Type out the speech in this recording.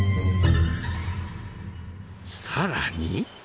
さらに。